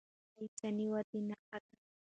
زغم د انساني ودې نښه ده